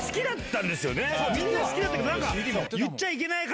みんな好きだったけど。